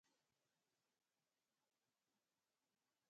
ٹھنڈا بچ اے برف دے برابر ہوسی۔